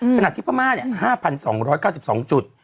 ขนาดที่ปลาวเนี่ย๕๒๙๒จุด